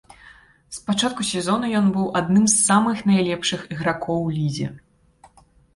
З пачатку сезона ён быў адным з самых найлепшых ігракоў у лізе.